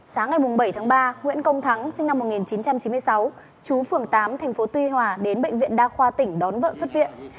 sáng ngày bảy tháng ba nguyễn công thắng sinh năm một nghìn chín trăm chín mươi sáu chú phường tám tp tuy hòa đến bệnh viện đa khoa tỉnh đón vợ xuất viện